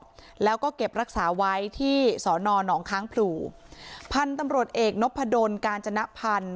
แล้วก็เก็บรักษาไว้ที่สอนอนองค้างพลูพันธุ์ตำรวจเอกนพดลกาญจนพันธ์